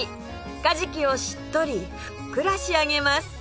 カジキをしっとりふっくら仕上げます